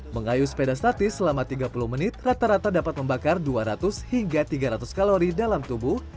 mengayu sepeda statis selama tiga puluh menit rata rata dapat membakar dua ratus hingga tiga ratus kalori dalam tubuh